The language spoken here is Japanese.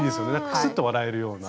クスッと笑えるような。